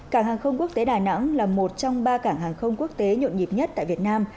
cảng hàng không quốc tế đà nẵng là một trong ba cảng hàng không quốc tế nhộn nhịp nhất tại việt nam